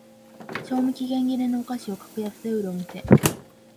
賞味期限切れのお菓子を格安で売るお店